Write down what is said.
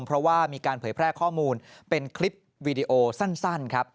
เพราะว่ามีการเผยแพร่ข้อมูลเป็นคลิปวีดีโอสั้นครับ